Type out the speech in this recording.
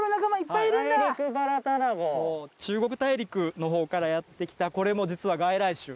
中国大陸の方からやって来たこれも実は外来種。